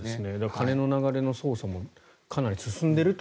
金の流れの捜査もかなり進んでいると。